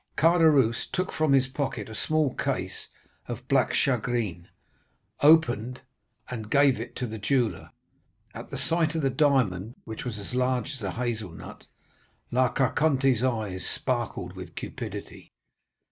"Caderousse took from his pocket a small case of black shagreen, opened, and gave it to the jeweller. At the sight of the diamond, which was as large as a hazel nut, La Carconte's eyes sparkled with cupidity."